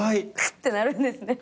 ってなるんですね。